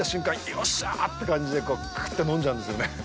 よっしゃーって感じでクーっと飲んじゃうんですよね。